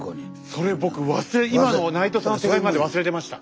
それ僕忘れ今の内藤さんの手紙まで忘れてました。